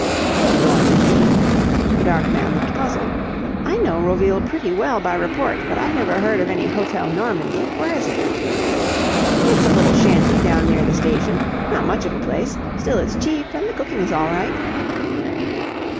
"The Normandie?" The dark man looked puzzled. "I know Roville pretty well by report, but I've never heard of any Hotel Normandie. Where is it?" "It's a little shanty down near the station. Not much of a place. Still, it's cheap, and the cooking's all right."